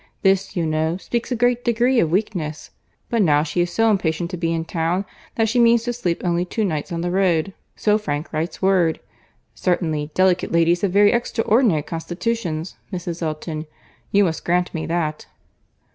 This, you know, speaks a great degree of weakness—but now she is so impatient to be in town, that she means to sleep only two nights on the road.—So Frank writes word. Certainly, delicate ladies have very extraordinary constitutions, Mrs. Elton. You must grant me that."